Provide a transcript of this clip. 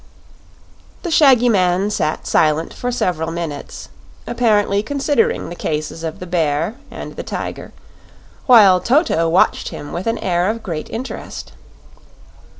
The shaggy man sat silent for several minutes, apparently considering the cases of the bear and the tiger, while Toto watched him with an air of great interest.